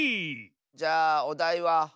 じゃあおだいは「ほ」。